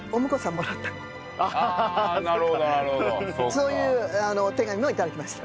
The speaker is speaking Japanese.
そういうお手紙も頂きました。